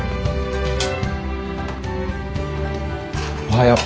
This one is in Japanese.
おはよう。